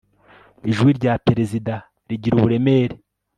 ijwi rya perezida rigira uburemere